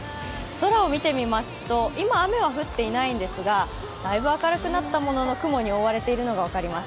空を見てみますと、今、雨は降っていないんですが、だいぶ明るくなったものの、雲に覆われているのが分かります。